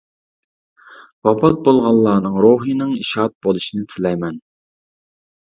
ۋاپات بولغانلارنىڭ روھىنىڭ شاد بولۇشىنى تىلەيمەن.